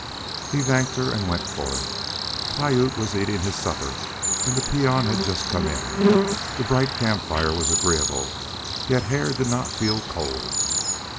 He thanked her and went for it. Piute was eating his supper, and the peon had just come in. The bright campfire was agreeable, yet Hare did not feel cold.